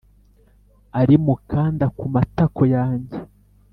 ari mukanda kumatako yanjye,